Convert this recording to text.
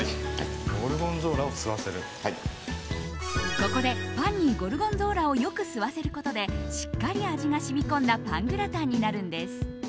ここでパンにゴルゴンゾーラをよく吸わせることでしっかり味が染み込んだパングラタンになるんです。